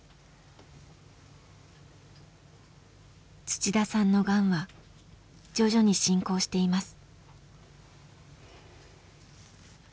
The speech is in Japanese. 土田さんのがんは徐々に進行しています。